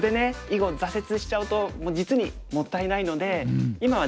囲碁挫折しちゃうと実にもったいないので今はね